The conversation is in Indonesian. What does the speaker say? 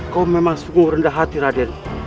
kau memang sungguh rendah hati raden